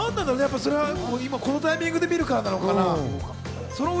今このタイミングで見るからなのかな？